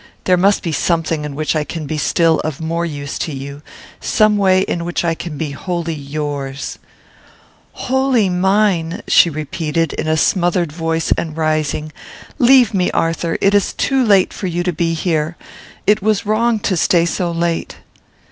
There must be something in which I can be of still more use to you; some way in which I can be wholly yours " "Wholly mine!" she repeated, in a smothered voice, and rising. "Leave me, Arthur. It is too late for you to be here. It was wrong to stay so late."